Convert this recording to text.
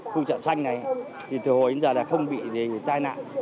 khu chợ xanh này thì từ hồi đến giờ là không bị gì tai nạn